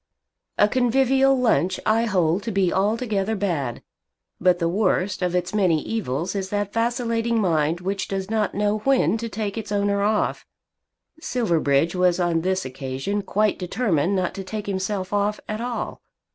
A convivial lunch I hold to be altogether bad, but the worst of its many evils is that vacillating mind which does not know when to take its owner off. Silverbridge was on this occasion quite determined not to take himself off at all.